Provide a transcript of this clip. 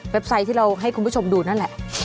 ไซต์ที่เราให้คุณผู้ชมดูนั่นแหละ